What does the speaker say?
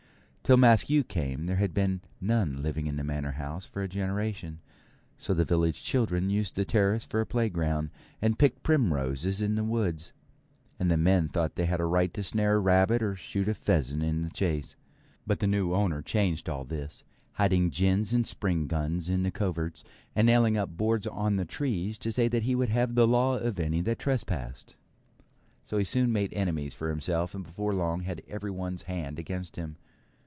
Till Maskew came there had been none living in the Manor House for a generation, so the village children used the terrace for a playground, and picked primroses in the woods; and the men thought they had a right to snare a rabbit or shoot a pheasant in the chase. But the new owner changed all this, hiding gins and spring guns in the coverts, and nailing up boards on the trees to say he would have the law of any that trespassed. So he soon made enemies for himself, and before long had everyone's hand against him.